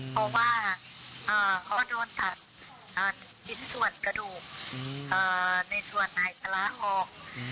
เพราะว่าก็โดนถัดจิ้นส่วนกระดูกในศระฮอก